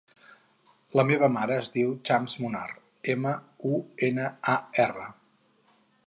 La meva mare es diu Chams Munar: ema, u, ena, a, erra.